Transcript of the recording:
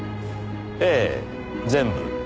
ええ全部。